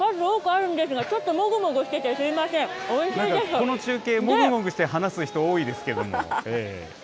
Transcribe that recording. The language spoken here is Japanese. この中継、もぐもぐして話す人多いですけど。